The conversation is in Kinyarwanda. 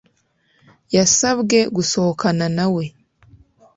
Yasabwe gusohokana na we